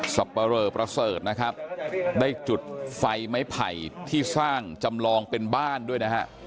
ปะเรอประเสริฐนะครับได้จุดไฟไม้ไผ่ที่สร้างจำลองเป็นบ้านด้วยนะฮะ